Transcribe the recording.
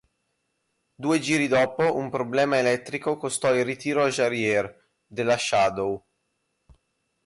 Due giri dopo un problema elettrico costò il ritiro a Jarier, della Shadow.